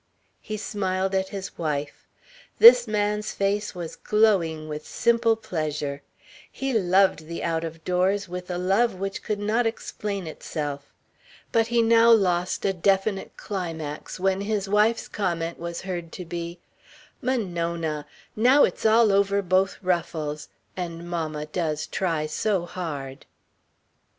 He smiled at his wife. This man's face was glowing with simple pleasure. He loved the out of doors with a love which could not explain itself. But he now lost a definite climax when his wife's comment was heard to be: "Monona! Now it's all over both ruffles. And mamma does try so hard...."